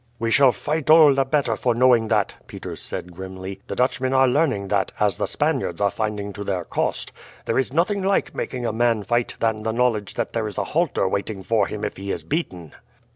"We shall fight all the better for knowing that," Peters said grimly. "The Dutchmen are learning that, as the Spaniards are finding to their cost. There is nothing like making a man fight than the knowledge that there is a halter waiting for him if he is beaten."